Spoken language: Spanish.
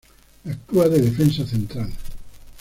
Actúa de defensa central.